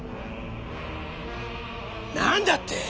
何だって！？